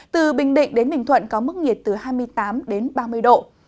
từ bình định đến bình thuận có mức nhiệt từ hai mươi tám đến ba mươi độ